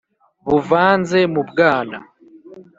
buvanze mu bwana